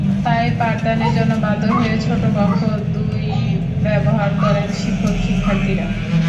তাই পাঠদানের জন্য বাধ্য হয়ে ছোট কক্ষ দুটিই ব্যবহার করেন শিক্ষক-শিক্ষার্থীরা।